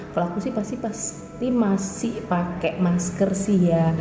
kalau aku sih pasti pasti masih pakai masker sih ya